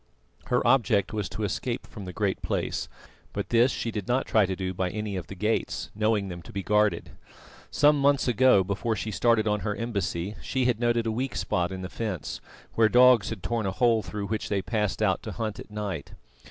Her object was to escape from the Great Place, but this she did not try to do by any of the gates, knowing them to be guarded. Some months ago, before she started on her embassy, she had noted a weak spot in the fence, where dogs had torn a hole through which they passed out to hunt at night.